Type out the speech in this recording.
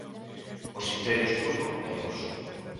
Os Imperios turco e ruso.